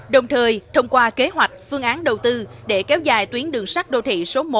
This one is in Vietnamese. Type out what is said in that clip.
đồng thời thông qua kế hoạch phương án đầu tư để kéo dài tuyến đường sắt đô thị số một